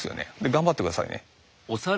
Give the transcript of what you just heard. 頑張って下さいね。